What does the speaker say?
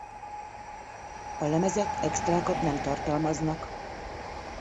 A lemezek extrákat nem tartalmaznak.